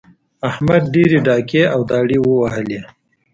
احمد ډېرې ډاکې او داړې ووهلې.